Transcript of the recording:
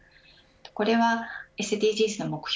これはＳＤＧｓの目標